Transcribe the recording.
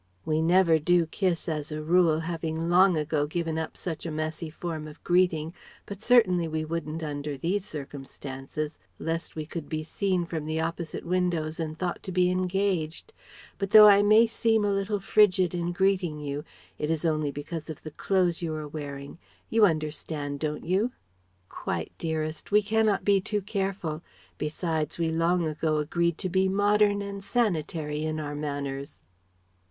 "We never do kiss as a rule, having long ago given up such a messy form of greeting; but certainly we wouldn't under these circumstances lest we could be seen from the opposite windows and thought to be 'engaged'; but though I may seem a little frigid in greeting you, it is only because of the clothes you are wearing' You understand, don't you ?" "Quite, dearest. We cannot be too careful. Besides we long ago agreed to be modern and sanitary in our manners."